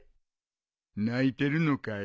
泣いてるのかい？